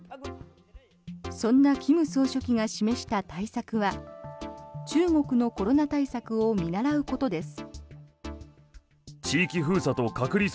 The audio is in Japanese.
そんな金総書記が示した対策は中国のコロナ対策を見習うことです。